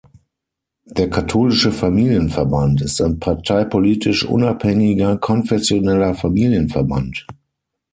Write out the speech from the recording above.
Der katholische Familienverband ist ein parteipolitisch unabhängiger konfessioneller Familienverband.